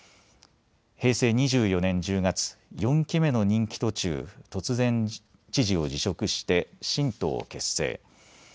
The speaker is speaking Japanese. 平成２４年１０月、４期目の任期途中、突然、知事を辞職して新党を結成。